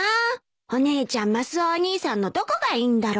お姉ちゃんマスオお兄さんのどこがいいんだろ？